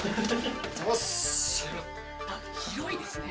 広いですね。